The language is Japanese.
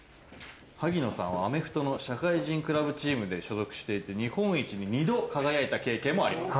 萩野さんはアメフトの社会人クラブチームで所属していて日本一に２度輝いた経験もあります。